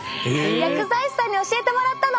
薬剤師さんに教えてもらったの！